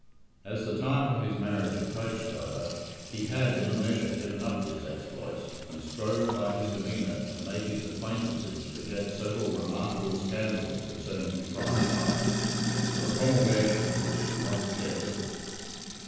As the time for his marriage approached, however, he had in a measure given up these exploits, and strove, by his demeanour, to make his acquaintances forget several remarkable scandals concerning his private life, for the promulgation of which he once cared little.